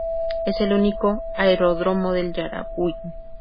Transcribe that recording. Es el único aeródromo del Yaracuy.